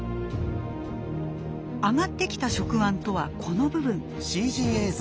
上がってきた触腕とはこの部分。